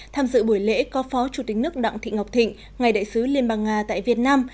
tham dự buổi lễ có phó chủ tịch nước đặng thị ngọc thịnh ngày đại sứ liên bang nga tại việt nam